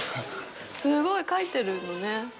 すごい。描いてるのね。